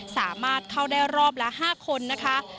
สามารถเข้าได้รอบละ๕คนนะคะ